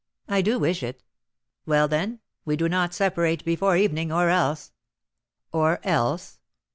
"I do wish it." "Well, then, we do not separate before evening, or else " "Or else?"